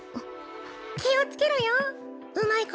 「気をつけろようまいこと言って」